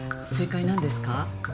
正解なんですか？